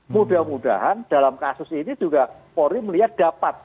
mudah mudahan dalam kasus ini juga polri melihat dapat